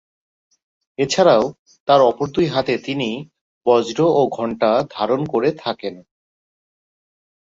এছাড়াও তাঁর অপর দুই হাতে তিনি বজ্র ও ঘণ্টা ধারণ করে থাকেন।